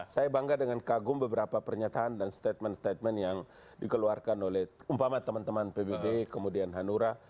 saya bangga dengan kagum beberapa pernyataan dan statement statement yang dikeluarkan oleh umpama teman teman pbb kemudian hanura